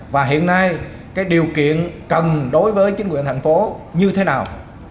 và hiện nay điều kiện cần đối với chính quyền thành phố như thế nào